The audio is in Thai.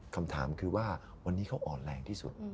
คำถามคือว่าวันนี้เขาอ่อนแรงที่สุด